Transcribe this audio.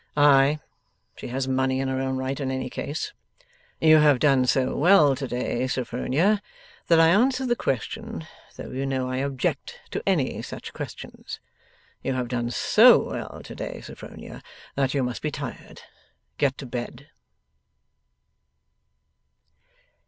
'Ay! she has money in her own right in any case. You have done so well to day, Sophronia, that I answer the question, though you know I object to any such questions. You have done so well to day, Sophronia, that you must be tired. Get to bed.